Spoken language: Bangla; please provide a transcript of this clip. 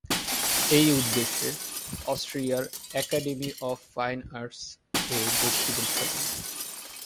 এই উদ্দেশ্যে অস্ট্রিয়ার "একাডেমি অফ ফাইন আর্টস"-এ ভর্তি পরীক্ষা দেন।